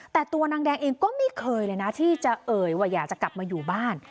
แต่ตัวนางแดงเองก็ไม่เคยเลยนะที่จะเอ่ยว่าอยากจะกลับมาอยู่บ้าน